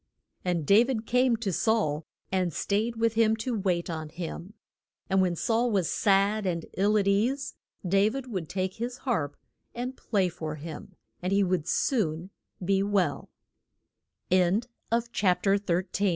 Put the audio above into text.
And Da vid came to Saul, and stayed with him to wait on him. And when Saul was sad and ill at ease, Da vid would take his harp and play for him, and he would soon